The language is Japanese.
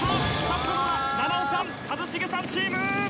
勝ったのは菜々緒さん一茂さんチーム！